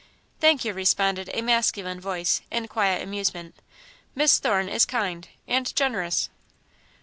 "Thank you," responded a masculine voice, in quiet amusement; "Miss Thorne is kind and generous."